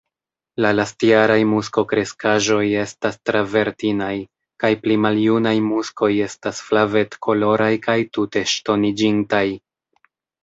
La lastjaraj muskokreskaĵoj estas travertinaj, kaj pli maljunaj muskoj estas flavetkoloraj kaj tute ŝtoniĝintaj.